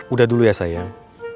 udah dulu ya sayang